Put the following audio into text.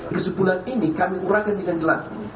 kesimpulan ini kami urahkan dengan jelas